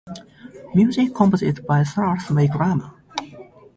Music composed by Sarath Wickrama.